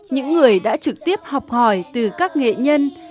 những người đã trực tiếp học hỏi từ các nghệ nhân